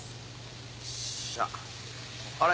よっしゃあれ？